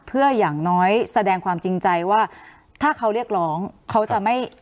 เพื่ออย่างน้อยแสดงความจริงใจว่าถ้าเขาเรียกร้องเขาจะไม่